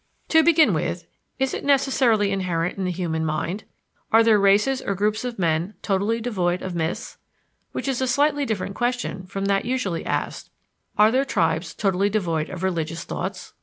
To begin with, is it necessarily inherent in the human mind? Are there races or groups of men totally devoid of myths? which is a slightly different question from that usually asked, "Are there tribes totally devoid of religious thoughts?"